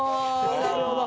なるほど。